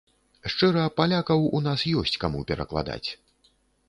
Шчыра, палякаў у нас ёсць каму перакладаць.